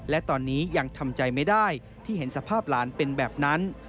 และตอนนี้ยังทำใจไม่ได้ที่เห็นสภาพหลานเป็นแบบนั้น